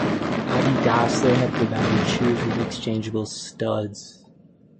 Adi Dassler had provided shoes with exchangeable studs.